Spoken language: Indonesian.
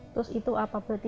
terus itu apa berarti